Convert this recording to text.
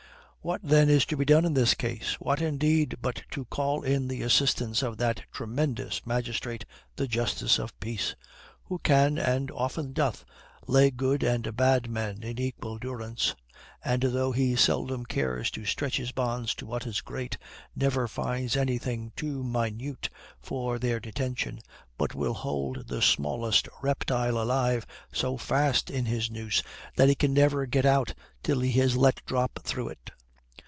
What then is to be done in this case? What, indeed, but to call in the assistance of that tremendous magistrate, the justice of peace, who can, and often doth, lay good and bad men in equal durance; and, though he seldom cares to stretch his bonds to what is great, never finds anything too minute for their detention, but will hold the smallest reptile alive so fast in his noose, that he can never get out till he is let drop through it.